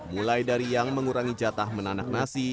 mulai dari yang mengurangi jatah menanak nasi